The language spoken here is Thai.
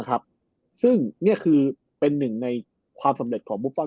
ซึ่งนี่คือเป็นหนึ่งในความสำเร็จของบุฟฟอล